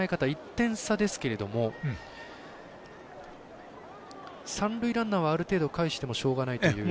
１点差ですけれども三塁ランナーはある程度、かえしてもしょうがないという。